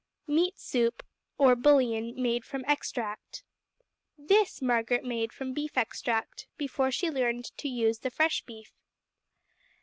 Meat Soup or Bouillon Made from Extract This Margaret made from beef extract, before she learned to use the fresh beef.